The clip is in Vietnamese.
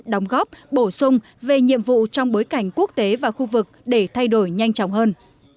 đóng góp bổ sung về nhiệm vụ trong bối cảnh quốc tế và khu vực để thay đổi nhanh chóng hơn